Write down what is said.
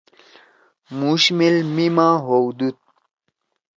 مُوش میل میِما یؤدُود۔